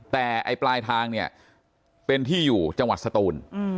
แต่ปลายทางเป็นที่อยู่จังหวัดสตูน